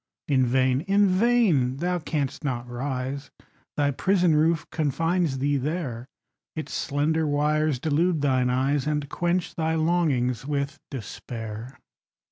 In vain in vain! Thou canst not rise: Thy prison roof confines thee there; Its slender wires delude thine eyes, And quench thy longings with despair.